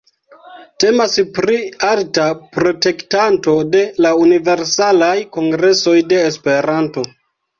Temas pri alta protektanto de la Universalaj Kongresoj de Esperanto.